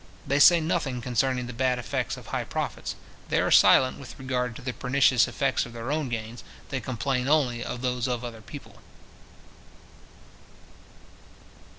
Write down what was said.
They say nothing concerning the bad effects of high profits; they are silent with regard to the pernicious effects of their own gains; they complain only of those of other people.